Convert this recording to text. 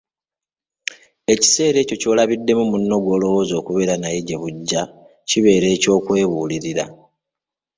Ekiseera ekyo ky'olabiddemu munno gw'olowooza okubeera naye gye bujja kibeere eky'okwebuulirira.